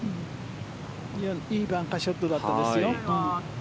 いいバンカーショットでしたよ。